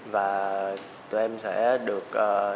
và tụi em sẽ được